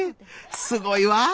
すごいわあ。